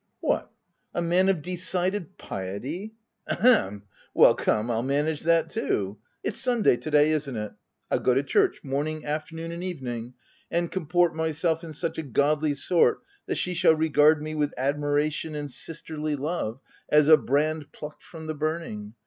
'' H What, a man of ' decided piety ?'— ahem !— Well, come, Pll manage that too ! It's Sunday to day, isn't it? I'll go to church morning, afternoon, and evening, and comport myself in such a godly sort that she shall re gard me with admiration and sisterly love, as OF WILDFELL HALL. 5 a brand plucked from the burning.